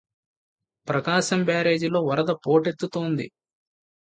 ప్రకాశం బ్యారేజిలోకి వరద పోటెత్తుతోంది